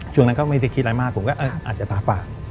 ช่วงนั้นก็ไม่ได้คิดอะไรมากผมก็อาจจะตาปาก